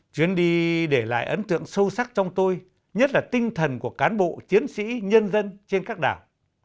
chuyến đi để lại ấn tượng sâu sắc trong tôi nhất là tinh thần của cán bộ chiến sĩ nhân dân trên các đảo